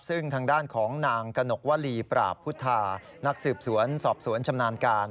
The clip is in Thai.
ซึ่งทางด้านของนางกนกวลีปราบพุทธานักสืบสวนสอบสวนชำนาญการ